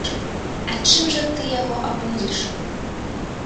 А чым жа ты яго абудзіш?